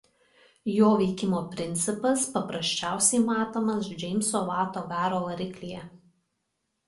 Jo veikimo principas paprasčiausiai matomas Džeimso Vato garo variklyje.